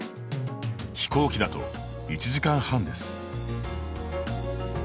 飛行機だと１時間半です。